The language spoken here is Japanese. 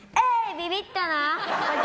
ビビったな？